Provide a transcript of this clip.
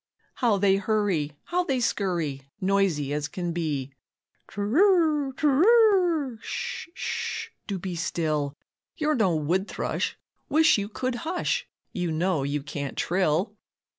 How they hurry, how they scurry, Noisy as can be. "Tr'r, tr'r, sh, sh, do be still, You're no wood thrush, wish you could hush, You know you can't trill."